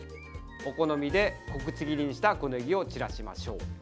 お好みで小口切りにした小ねぎを散らしましょう。